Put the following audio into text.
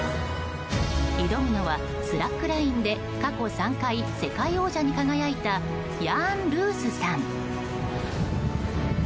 挑むのはスラックラインで過去３回、世界王者に輝いたヤーン・ルースさん。